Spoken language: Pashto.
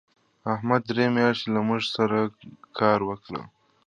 احمد درې میاشتې له موږ سره کار وکړ.